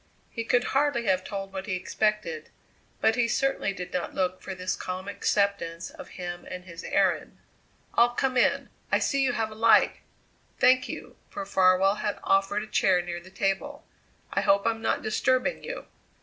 He could hardly have told what he expected, but he certainly did not look for this calm acceptance of him and his errand. "I'll come in. I see you have a light. Thank you" for Farwell had offered a chair near the table "I hope I'm not disturbing you."